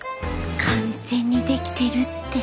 完全にできてるって。